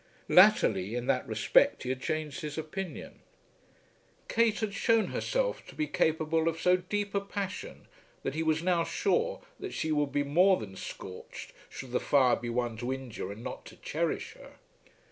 Latterly, in that respect he had changed his opinion. Kate had shewn herself to be capable of so deep a passion that he was now sure that she would be more than scorched should the fire be one to injure and not to cherish her.